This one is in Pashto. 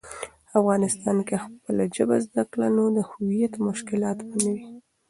افغانسان کی خپله ژبه زده کړه، نو د هویت مشکلات به نه وي.